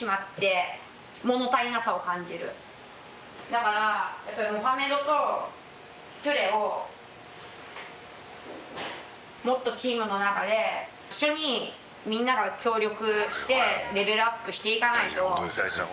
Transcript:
だからやっぱりムハメドとトゥレをもっとチームの中で一緒にみんなが協力してレベルアップしていかないと。